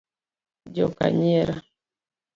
Joka nyiera.